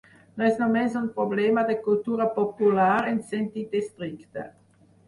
No és només un problema de cultura popular en sentit estricte.